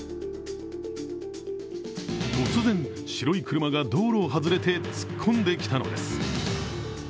突然、白い車が道路を外れて突っ込んできたのです。